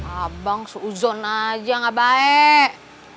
abang seuzon aja gak baik